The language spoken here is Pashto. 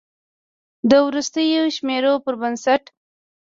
د وروستیو شمیرو پر بنسټ